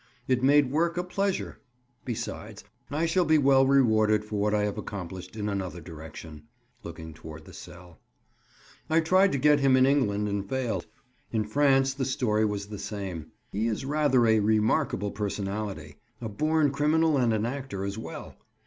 It made work a pleasure. Besides, I shall be well rewarded for what I have accomplished in another direction." Looking toward the cell. "I tried to get him in England and failed. In France, the story was the same. He is rather a remarkable personality. A born criminal and an actor, as well!